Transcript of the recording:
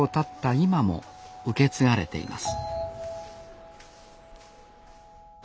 今も受け継がれています